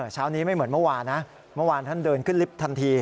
เช้านี้ไม่เหมือนเมื่อวานนะเมื่อวานท่านเดินขึ้นลิฟท์ทันที